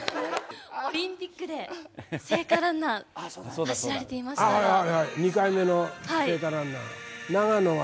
オリンピックで聖火ランナー、走られていましたが。